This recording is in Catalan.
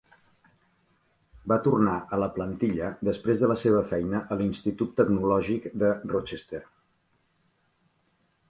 Va tornar a la plantilla després de la seva feina a l'Institut Tecnològic de Rochester.